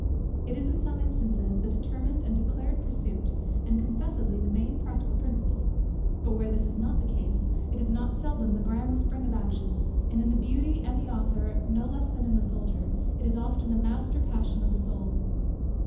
It is in some instances the determined and declared pursuit, and confessedly the main practical principle; but where this is not the case, it is not seldom the grand spring of action, and in the Beauty and the Author, no less than in the Soldier, it is often the master passion of the soul.